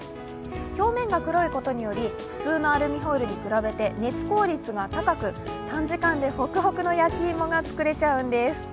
表面が黒いことにより、普通のアルミホイルに比べて熱効率が高く、短時間でホクホクの焼き芋が作れちゃうんです。